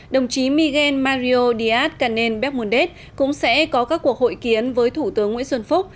đồng chí miguel mario díaz canel becmundet cũng sẽ có các cuộc hội kiến với thủ tướng nguyễn xuân phúc